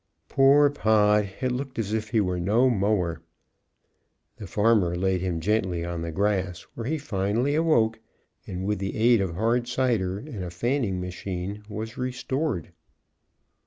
Poor Pod, it looked as if he were no mower. The farmer laid him gently on the grass, where he finally awoke, and with the aid of hard cider and a fanning machine was restored.